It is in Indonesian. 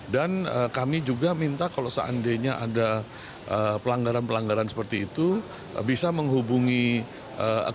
dan kami juga minta kalau seandainya ada pelanggaran pelanggaran seperti itu bisa menghubungi acquiring banknya atau bank indonesia langsung